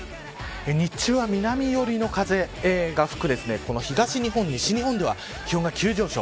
日中は南寄りの風が吹く東日本、西日本では気温が急上昇。